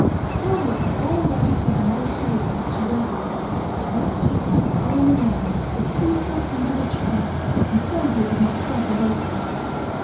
Sylvia had all ready for her mother's tea against she wakened; but she slept on and on, the peaceful sleep of a child, and Sylvia did not care to waken her.